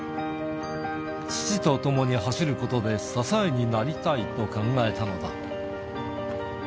父と共に走ることで支えになりたいと考えたのだ。